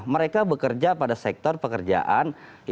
mereka bekerja pada sektor pekerjaan